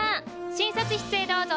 診察室へどうぞ。